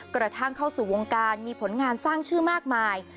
กระทั่งเข้าสู่วงการมีผลงานสร้างชื่อมากมาย